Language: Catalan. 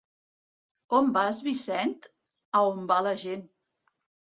On vas Vicent? —A on va la gent.